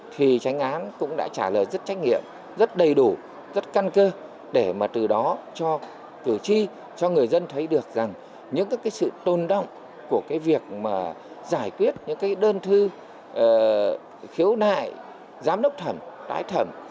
thì tránh án cũng đã trả lời rất trách nhiệm rất đầy đủ rất căn cơ để mà từ đó cho cử tri cho người dân thấy được rằng những sự tôn động của việc giải quyết những đơn thư khiếu nại giám đốc thẩm tái thẩm